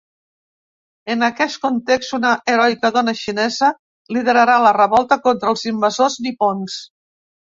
En aquest context, una heroica dona xinesa liderarà la revolta contra els invasors nipons.